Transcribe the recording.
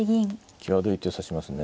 際どい手を指しますね。